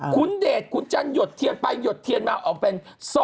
ขุนเดชขุนจันทร์หยดเทียนไปหยดเทียนมาเอาเป็น๒๗๕๘